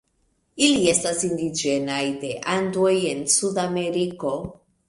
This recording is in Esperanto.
Ili estas indiĝenaj de Andoj en Sudameriko.